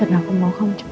dan aku mau kamu cepat